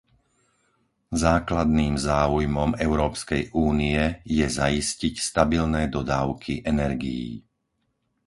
Základným záujmom Európskej únie je zaistiť stabilné dodávky energií.